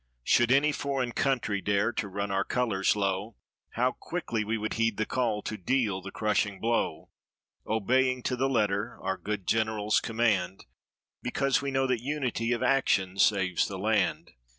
Should any foreign country dare to run our colors low, How quickly we would heed the call to deal the crushing blow; Obeying, to the letter, our good general's command, Because we know that unity of action saves the land.